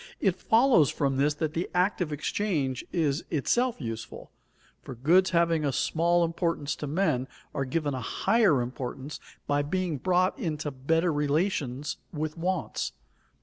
It follows from this that the act of exchange is itself useful, for goods having a small importance to men are given a higher importance by being brought into better relations with wants.